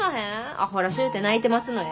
あほらしゅうて泣いてますのや。